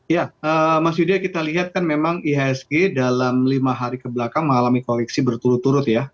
ya mas yuda kita lihat kan memang ihsg dalam lima hari kebelakang mengalami koleksi berturut turut ya